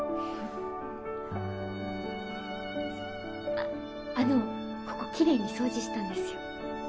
ああのここ綺麗に掃除したんですよ。